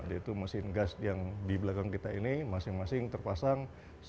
yaitu mesin gas yang di belakang kita ini masing masing terpasang